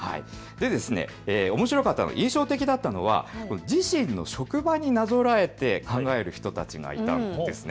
おもしろかった、印象的だったのは自身の職場になぞらえて考える人たちがいたんですね。